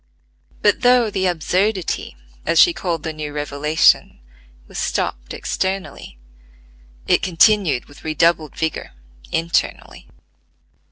But though "the absurdity," as she called the new revelation, was stopped externally, it continued with redoubled vigor internally.